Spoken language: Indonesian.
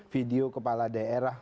video kepala daerah